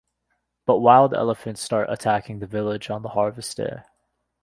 But wild elephants start attacking the village on the harvest day.